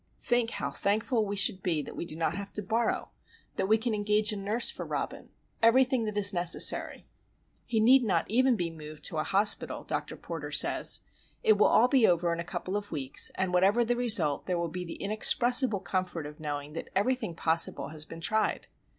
Think how thankful we should be that we do not have to borrow, that we can engage a nurse for Robin,—everything that is necessary. He need not even be moved to a hospital, Dr. Porter says. It will all be over in a couple of weeks, and whatever the result there will be the inexpressible comfort of knowing that everything possible has been tried.